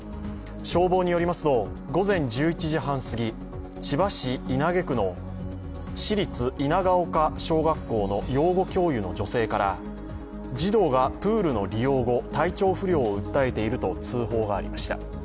消防によりますと、午前１１時半すぎ、千葉市稲毛区の市立稲丘小学校の養護教諭の女性から児童がプールの利用後体調不良を訴えていると通報がありました。